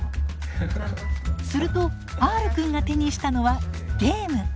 するとＲくんが手にしたのはゲーム。